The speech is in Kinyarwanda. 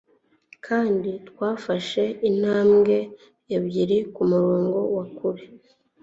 kandi twafashe intambwe ebyiri kumurongo wa kure